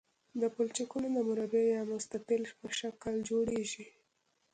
دا پلچکونه د مربع یا مستطیل په شکل جوړیږي